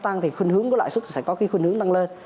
tăng thì khuyên hướng của lãi suất sẽ có cái khuyên hướng tăng lên